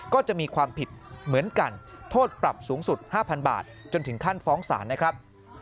ก็จะมีความผิดเหมือนกันโทษปรับสูงสุด๕๐๐๐บาทจนถึงขั้นฟ้องศาลนะครับ